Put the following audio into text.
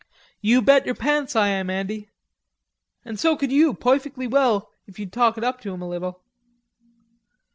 "You bet your pants I am, Andy.... An' so could you, poifectly well, if you'ld talk it up to 'em a little."